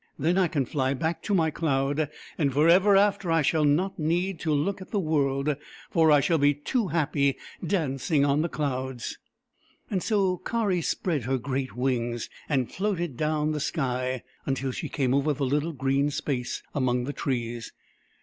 Then I can fly back to my cloud, and for ever after I shall not need to look at the world, for I shall be too happy dancing on the clouds." So Kari spread her great wings and floated down the sky until she came over the little green space among the trees.